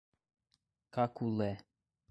Caculé